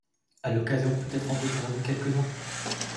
À l’occasion, peut-être en voterez-vous quelques-uns.